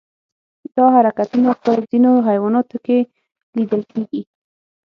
دا حرکتونه په ځینو حیواناتو کې لیدل کېږي.